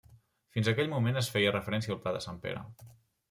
Fins aquell moment es feia referència al pla de Sant Pere.